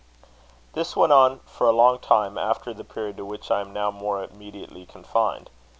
This went on for a long time after the period to which I am now more immediately confined.